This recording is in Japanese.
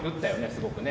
すごくね。